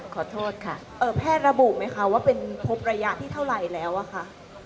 คุณแม่แป้ระบุไหมค่ะว่าเป็นพบระยะที่เท่าไรแล้วอะคะ